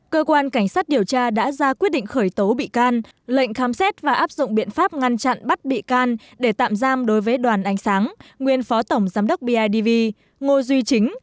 cơ quan cảnh sát điều tra đã ra quyết định khởi tố bị can lệnh khám xét và áp dụng biện pháp ngăn chặn bắt bị can để tạm giam đối với đoàn ánh sáng nguyên phó tổng giám đốc bidv ngô duy chính